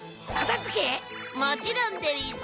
もちろんでうぃす。